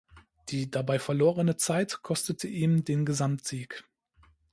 Die dabei verlorene Zeit kostete ihm den Gesamtsieg.